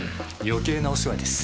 余計なお世話です。